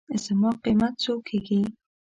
زما قېمت څو کېږي.